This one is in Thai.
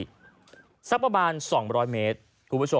นี่สักประมาณ๒๐๐เมตร